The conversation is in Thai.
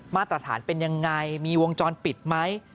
มาตรฐานเป็นยังไงมีวงจรปิดไหม